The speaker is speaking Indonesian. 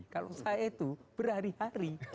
kalau saya itu berhari hari